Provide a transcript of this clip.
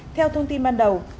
theo thông tin ban đầu